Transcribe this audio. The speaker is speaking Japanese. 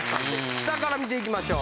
下から見ていきましょう。